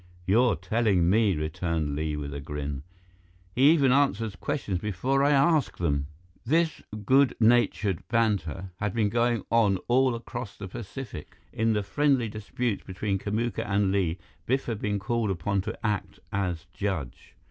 "You're telling me?" returned Li, with a grin. "He even answers questions before I ask them." This good natured banter had been going on all across the Pacific. In the friendly disputes between Kamuka and Li, Biff had been called upon to act as judge.